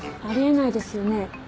あり得ないですよね？